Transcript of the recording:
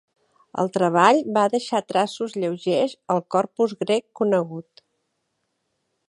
El treball va deixar traços lleugers al corpus grec conegut.